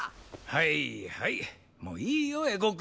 はいはいもういいよ絵心くん。